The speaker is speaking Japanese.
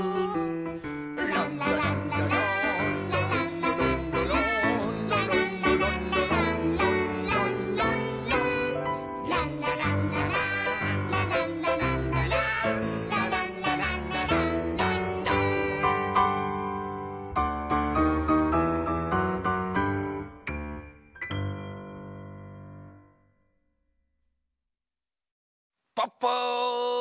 「ランラランラランラランラランラランラ」「ランラランラランランランランラン」「ランラランラランラランラランラランラ」「ランラランラランランラン」プップー！